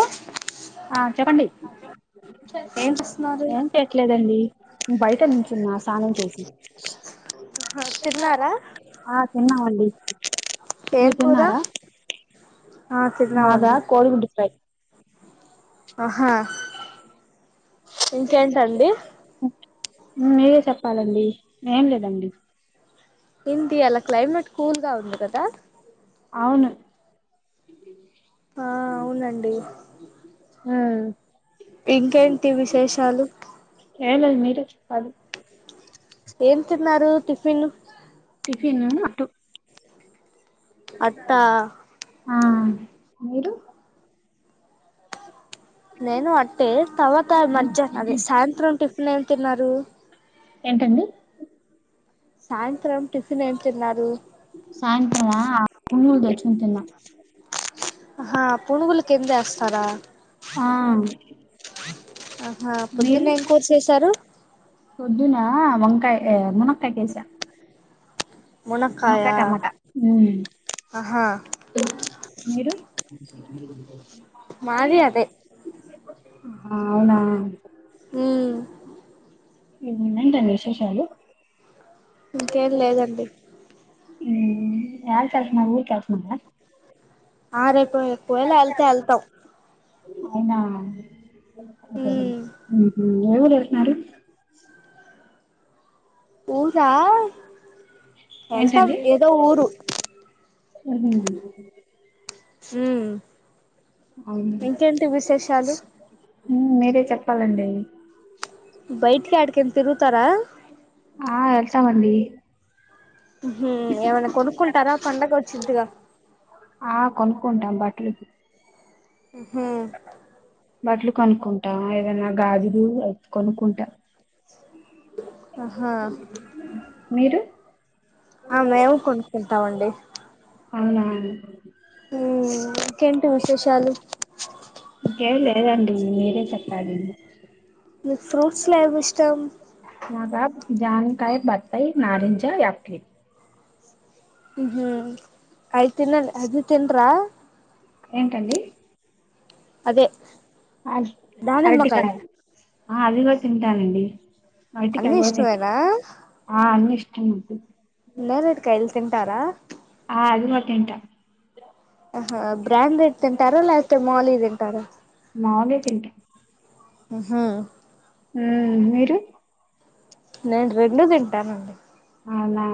ఓ ఆ చెప్పండి ఏం చేస్తున్నారు ఏం చేయట్లేదండి బయట నుంచున్నా స్నానం చేసి తిన్నారా ఆ తిన్నామండి ఏం మీరు కూర తిన్నారా ఆ మాదా తిన్నామండి కోడి గుడ్డు ఫ్రై ఆహా ఇంకేంటండి మీరే చెప్పాలండి ఏం లేదండి ఏంటి ఇయాల క్లైమేట్ కూల్ గా ఉంది కదా అవును ఆ అవునండి ఆ ఇంకేంటి విశేషాలు ఏం లేదు మీరే చెప్పాలి ఏం తిన్నారు టిఫిన్ టిఫిన్ అటు అట్టా ఆ మీరు నేను అట్టే తర్వాత మధ్యాహ్న అద సాయంత్రం టిఫిన్ ఏం తిన్నారు ఏంటండి సాయంత్రం టిఫిన్ ఏం తిన్నారు సాయంత్రమా పునుగులు తెచ్చుకుని తిన్నా హా పునుగులు కింద వేస్తారా ఆ ఆహా మీరు పొద్దున్న ఏం కూర చేశారు పోదున్న కాయ్ ముూనక్క చేసాను మునక్కాయ ములకాయ టమాటా ఆహా మీరు స మాది అదే అవునా ఉ ఏంటి అండి విశేషాలు ఇంకేం లేదండి ఉ యాడికి వెళ్తున్నార ఊరికి వెళ్తున్నారా ఆ రేపు ఒకవేళ వెళ్తే వెళ్తాం అయినా ఆ ఉమ్ ఊరు ఏళ్తానారు ఊరా ఎళ్తాం ఏదో ఊరు ఉహు హ అవును ఇంకేంటి విశేషాలు మీరే చెప్పాలండి బయటికి ఏడికైన తిరుతారా ఆ ఎలతమండీ ఏమైనా కొడుక్కుంటారా పండగ వచ్చిందిగా ఆ కొనుక్కుంటాం బట్టలు హ బట్టల్లు కొనుక్కుంటా ఏదైనా గాజులు కొనుక్కుంటా ఆహా మీరు ఆ మేము కొన్కుంటమండి అవునా ఇంకేంటి విశేషాలు ఇంకెంలే మీరే చెప్పాలి మీకు ఫ్రూట్స్ లో ఏమి ఇష్టం మ బాబుకి దానిమకై బత్తై నారింజ యాప్లి హ్మ్ అయిత్తినన్ అది తన్రా ఏంటండి అదే దానిమ్మకాయ అరటికాయ ఆ అవి కూడా తింటానండి అన్ని అరటికాయ్ కుడా తింటా ఇష్టమేనా అన్నీ ఇష్టమే నకు టారా ఆ అది కుడా తింటా ఓహో బ్రాండ్డెడ్ తింటారా లేకపోతే మొలియి తింటారా తింటాం ఊహ్మ్ ఆ మీరు నేను రెండు తింటానండి అవున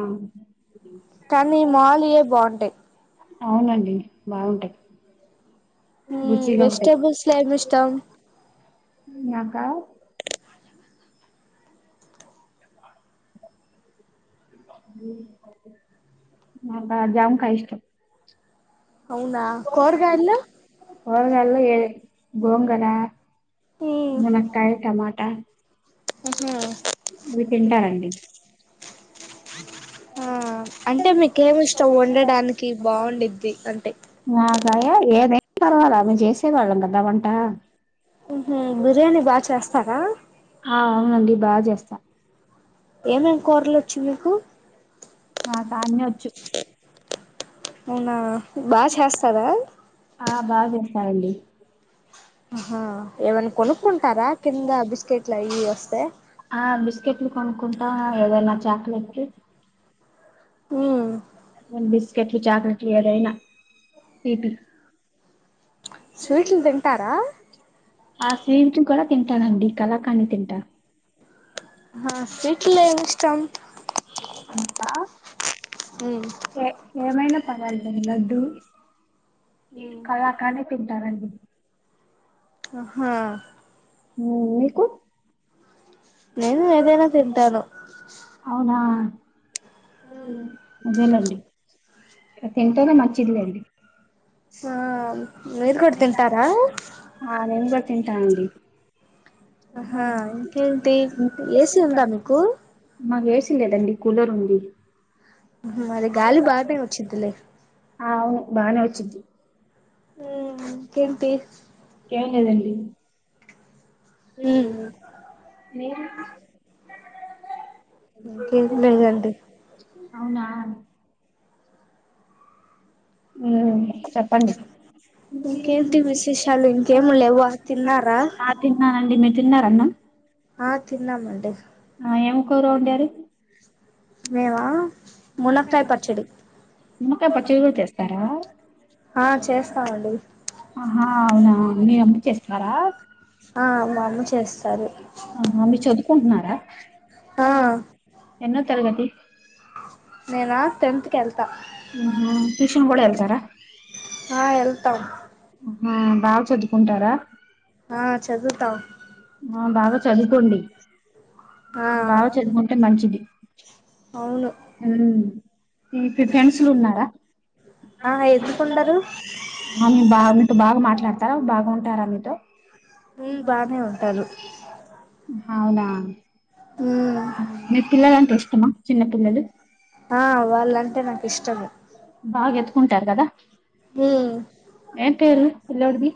కానీ మోలియే బొంటై అవునండి బాగుంటాయి హ్మ్ రుచిగా ఉంటాయి వెజిటబిల్స్ల ఎం ఇష్టం ఆ నాకు జాంకాయ ఇష్టం అవునా కూరగాయల్లో కూరగాయలో ఏది గోంగోర ఉమ్ మునాకై టమాటా ఉహు మీరు తింటారండి ఆ అంటే మీకేం ఇష్టం వండడానికి బాగుంద్ది అంటే రాయా ఏదైనా పర్వాలా మేము చేసేవాళ్ళం కదవంటా ఊహ్మ్ బిర్యానీ బా చేస్తారా ఆ అవునండి బా చేస్తా ఏమేమ్ కుర్లోచుమీకు నాకా అన్నీ వచ్చు అవునా బా చేస్తారా ఆ బాగా చేస్తారండి హా ఎవన కొనుక్కుంటారా కింద బిస్కెట్లయి వస్తే బిస్క్యూట్లు కొనుకుంటాం చాక్లెట్లు ఉమ్ ఒన్బిస్ కెట్లు చాక్లేట్లు ఏదైనా స్వీటు స్వీట్లు తింటారా ఆ స్వీట్ కూడా తింటానండి కళాకాంద్ తింటా ఆ స్వీట్లో ఎం ఇష్టం నాకా ఎ ఏమైనా పర్వాలే లడ్డు ఉమ్ కళాకాండ్ఎ తింటానండి ఆ హ హ్మ్ మీకు నేను ఏదైనా తింటాను అవునా అదేలేండి తింటూనే నచ్చిందిలేండి ఆ మీరు కూడా తింటారా ఆ నేను కూడ తింటానండి అహా ఇంకేంటి ఏసీ ఉందా మీకు మాకు ఏసి లేదండి కూలర్ ఉంది అహా మరి గాలి బానే వచ్చిద్దిలే అవును బాగనే వచ్చిద్ది ఉ ఇంకేంటి ఏదండి మీరు ఉమ్ మీరు ఇంకేం లేదండి అవునా ఉ చెప్పండి ఇంకేంటి విశేషాలు ఇంకేం లేవా తిన్నారా ఆ తిన్నానండి మీర్ తిన్నారన్న ఆ తిన్నామండి ఆ ఏంకోరు వండారు మేవా మునక్కాయ పచ్చడి నిమ్మకాయ పచ్చ చేస్తారా ఆ చేస్తామండి ఆహా అవునా మీ అమ్ చేస్తారా ఆ మా అమ్ చేస్తారు ఆహా మీ చదువుకుంటున్నారా ఆ ఎన్నో తరగతి నేనా టెన్త్ కి వెళ్తా ఉహు ట్యూషన్ కూడా ఎల్తారా ఆ వెళ్తాం ఆ బాగ చదువుకుంటారా ఆ చదువుతాం ఆ బాగా చదువుకోండి ఆ బాగా చదువుకుంటే మంచిది అవును ఊ మీకు ఫెండ్స్లు ఉన్నారా ఆ ఎందుకుండరు ఆమె బాబితో బాగా మాట్లాడ టరా బాగుంటారా మీతో ఉమ్ బానే ఉంటారు అవునా ఉమ్ మీ పిల్లల అంటే ఇష్టమా చిన్న పిల్లలు ఆ వాళ్ళంటే నాకు ఇష్టమే బాగ ఎత్తుకుంటారు కదా ఉమ్ ఏంపేర్లు పిల్లోడిది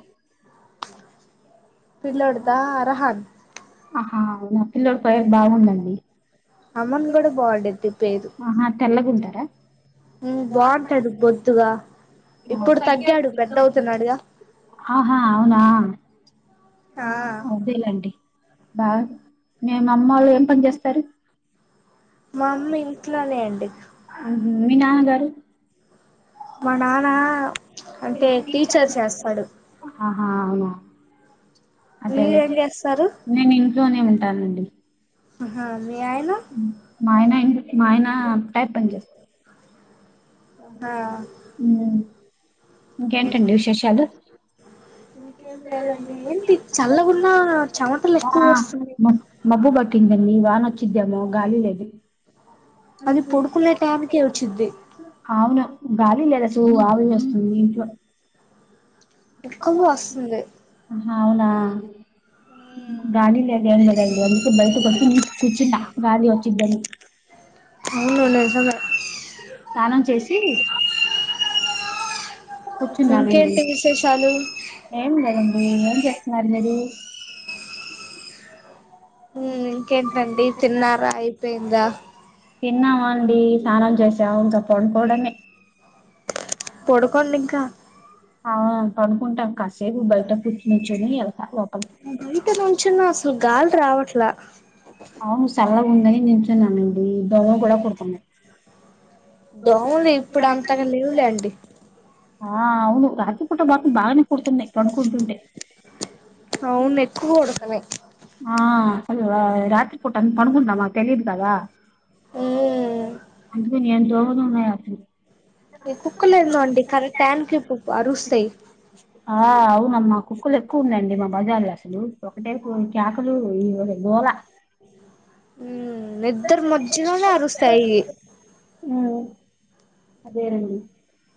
పిల్లడిద రహాన్ ఆహా అ పిల్లోడి పై బాగుందండి అమన్ కూడా బాగుండిద్ది ఆహా తెల్లగుంటారా ఉ బాంటడు బొద్దుగా ఇప్పుడు తగ్గాడు పెద్ద అవుతున్నాడుగా ఆహా అవునా ఆ అదేలేండి బా మే అమ్మళ్లు ఏం పని చేస్తారు మా అమ్మ ఇంట్లోనే అండి ఉహు మీ నాన గారు మా నాన్న అంటే టీచర్ చేస్తాడు ఆహా అవునా అదే మీరేం అదే చేస్తారు నేన్ లోనే ఉంటానండి ఆహా మీ ఆయన మా ఆయన మా ఆయన టైప్ పని చేస్తారు ఆహా ఇంకేంటండి విశేషాలు ఏం లేదండి ఏంటి చల్లగున్నా చెమటలు ఎక్కువ వస్తున్నయ్ కింద మీ వాన వచ్చిద్దామో గాలి లేదు అది పడుకునే టైంకే వచ్చిద్ది అవును గాలి లేదు అసలు గాలి వస్తుంది మీ ఇంట్లో ఉక్క పోస్తుంది అవునా గాలి లేదు ఎం లేదు అందుకే బైటకొచ్చి నుం కూర్చున్నా గాలి వచ్చిద్దని ఔను నిజమే స్నానం చేసి కూర్చున్న వేడి ఇంకేంటి విశేషాలు ఏంలేదం ఏ ఏం చేస్తన్నారుమీరు మ్మ్ ఇంకేంటండి తిన్నారా అయిపోయిందా తిన్నమండి స్నానం చేసాం ఇంకా పడుకోవడమే పాడుకోండింకా ఆ పోడుకుంటా కాసేపు బయట కుర్మర్చుని వెళ్తా లోపలికి బైట నుంచున అసలు గాలి రావట్లా ఔను సల్లగా ఉందని నుంచునమండి దోమలు కుడా కొడుతున్నాయి దోమలు ఇప్పుడు అంతగా లీవులేండి ఆ అవును రాత్రి పుట మకు బానే కుడుతునై పొన్కుంటుంటే అవును ఎక్కువకూడాతనై ఆ అసలు రాత్రి పుట అంత పంకుందమ్మా తెలిద్ కద మ్మ్ అందుకని ఎన్ దోమలున్నాయో అసలు ఇ కుక్కలేదోండీ కరెక్ట్ టైంకి క అరుస్తాయి మా కుక్కలు ఎక్కువ ఉన్నాయండి మా బజార్లో అస్సలు ఒకటే కుకేకలు గోలా నిద్దర మధ్యలోనే అరుస్తాయి ఉమ్, అదేనండి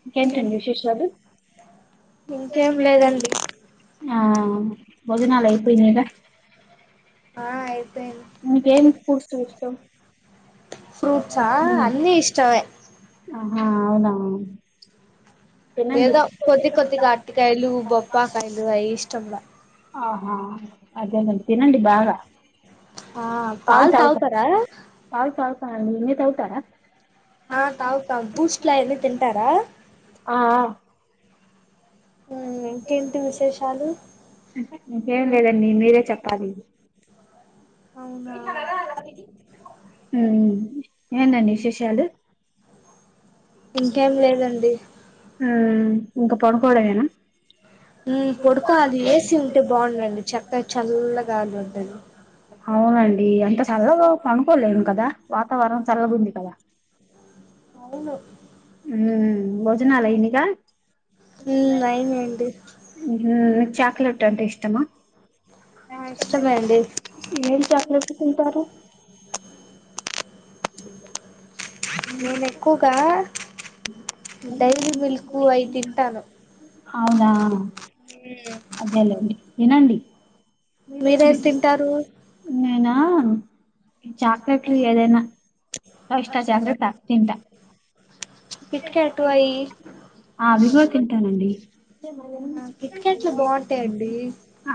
ఇంకేంటండి విశేషాలు ఇంకేం లేదండి ఆ భోజనాలూయపోయినిగా ఆ ఆయి ఇక ఏం ఫ్రీట్స్ ఇష్టం ఫ్రూట్సా అన్ని ఇష్టమే ఆ హా అవునా తినండి ఏదో కొద్ది కొద్దిగా అటికాయలు బొప్పాకాయలు అవి ఇష్టంలా ఆ అదేలే తినండి బాగా ఆ పాలు పాల్తాగుతాం తాగుతారా పాల్తాగుతాం అండి ఇన్నే తౌతారా ఆ తాగుతాం భూష్ట్లా ఆన్ని తింటారా ఆ ఆ హ్మ్ ఇంకేంటి విశేషాలు మీకేం లేదండి మీరే చెప్పాలి అవునా హ్మ్ ఏంటండీ విశేషాలు ఇంకేం లేదండి ఇంకా పడుకోవడమానా హ్మ్ పొడుకోలి ఎసి ఉంటే బాగుండండి చక్కగా చల్లగాలి ఉండేది అవునండి అంత చల్లగా పనుకోలేము కదా వాతావరణం చల్లగా ఉంది కదా అవును హ్మ్ భోజనాల్నిగా మ్ అవునండి హ చాక్లేట్ అంటే ఇష్టమా ఆ ఇష్టమే అండి కుంటారు వీడియో కాల నేను ఎక్కువ్గా డైరీ మిల్క్ అయి తింటాను ఆ అదేలేండి వినాండి మీరేం తింటారు నేనా చాక్లెట్లు ఏదైనా ఫైవ్స్టార్ చాక్లెట్ తింటా కిట్కాట్ అయి ఆ అవి కూడా తింటామండి ఆహా, కిట్ క్యాట్లు బాగుంటాయండి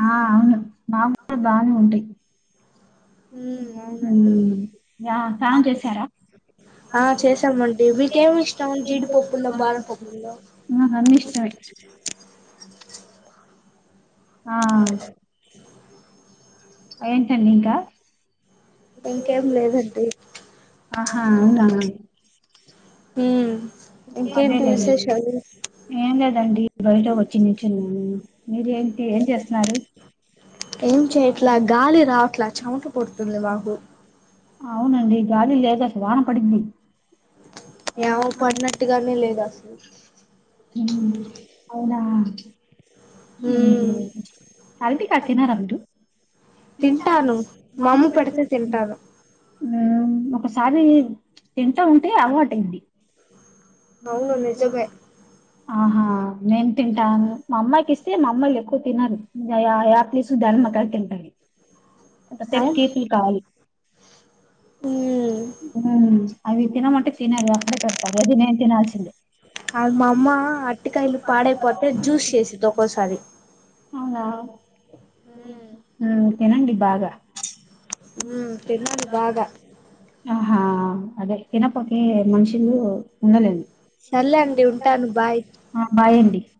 ఆ అవును మాక్ కూడా బానే ఉంటాయి ఉ ఉమ్ అవునండి ఉమ్ య స్నానం చేశారా ఆ చేసామండి వీకేమి ఇష్టం జీడిపప్పుల్లో బాదంపప్పుల్లో నాకన్ని ఇష్టమే ఆ ఏంటండీ ఇంకా ఇంకేం లేదండి ఆహా అవునా ఉమ్ ఇంకేంటి అదేలేండి విశేషాలు ఏం లేదండి బయట వచ్చి నించున్నాం మీరు ఏంటి ఏం చేస్తున్నారు ఏం చేయట్లా గాలి రావట్లా చెమట పూడుతుంది మాకు అవునండి గాలి లేదసల వన పడింది యమో పర్లే ఉమ్ అవునా ఉమ్ హ్మ్ హల్ధి కట్టినరా మీరు తింటాను మామ్మ పెడితే తింటాను ఉమ్ ఒకసారి తింటా ఉంటే అలవాటైది అవును నిజమే ఆహా నేన్ తింటాను మా అమ్మయికి ఇస్ తే మ అమ్మయి ఎక్కువ తినరు యాప్లెస్ దానిమ్మకాయి తింటను అంత సేఫ్ ఉమ్ పీపుల్ కాదు ఉమ్ అవి తినమంటే తినారు అక్కడే పెడతారు అవి నేన్ తినల్సిందే అవి మా అమ్మ అట్టికాయలు పాడైపోతే జ్యూస్ చేసేది ఒక్కోసారి అవునా ఉమ్ తినండి బాగా ఉమ్ తిన్నాను బాగా ఆహా అదే తినపోతే మనుషులు ఉండలేను సర్రలే అండి ఉంటాను బాయ్ ఆ బాయ్ అండి